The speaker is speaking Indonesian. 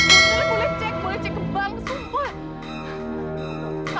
jadi boleh cek boleh cek ke bank sumpah